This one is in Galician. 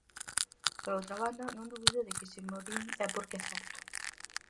Por outra banda, non dubido de que se mo din é porque é certo.